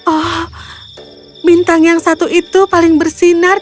oh bintang yang satu itu paling bersinar